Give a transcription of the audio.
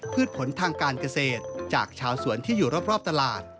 ผลทางการเกษตรจากชาวสวนที่อยู่รอบตลาด